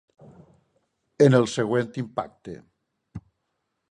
En el següent impacte!